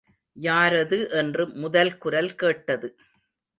யாரது என்று முதல் குரல் கேட்டது.